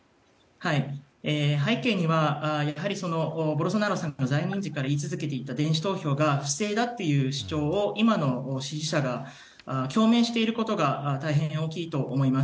背景にはボルソナロさんが在任時から言い続けていた電子投票が不正だという主張を今の支持者らは共鳴していることが大変大きいと思います。